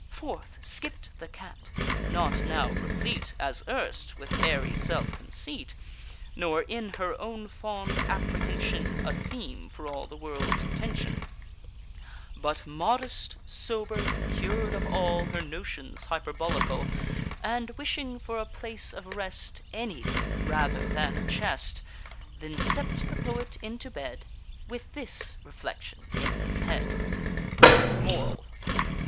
Forth skipp'd the cat, not now replete As erst with airy self conceit, Nor in her own fond apprehension A theme for all the world's attention, But modest, sober, cured of all Her notions hyperbolical, And wishing for a place of rest Any thing rather than a chest. Then stepp'd the poet into bed With this reflection in his head: MORAL.